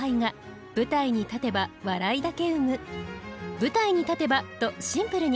「舞台に立てば」とシンプルに。